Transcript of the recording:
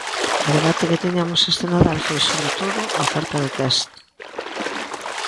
O debate que tiñamos este Nadal foi, sobre todo, a oferta de tests.